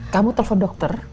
kamu telfon dokter